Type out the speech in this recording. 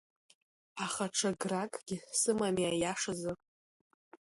Аха ҽа гракгьы сымами, аиашазы…